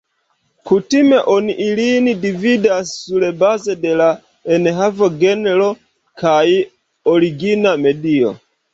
Kutime oni ilin dividas surbaze de la enhavo, genro kaj origina medio.